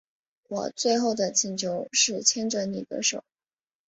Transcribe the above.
我最后的请求是牵着妳的手